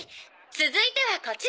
続いてはこちら！